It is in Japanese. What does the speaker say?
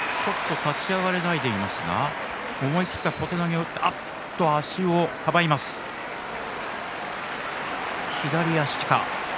立ち上がれないでいますが思い切った小手投げを打ちましたが足をかばいました、左足か。